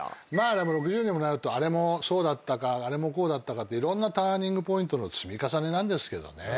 でも６０にもなるとあれもそうだったかあれもこうだったかっていろんなターニングポイントの積み重ねなんですけどね。